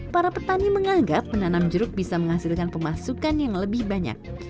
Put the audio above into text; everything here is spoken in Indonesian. para petani menganggap menanam jeruk bisa menghasilkan pemasukan yang lebih banyak